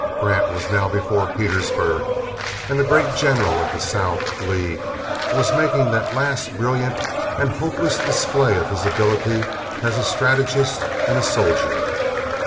Grant was now before Petersburg, and the great general of the South, Lee, was making that last brilliant and hopeless display of his ability as a strategist and a soldier.